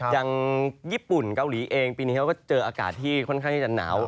อย่างญี่ปุ่นเกาหลีเองปีนี้เขาก็เจออากาศที่ค่อนข้างที่จะหนาว